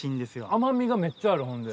甘みがめっちゃあるほんで。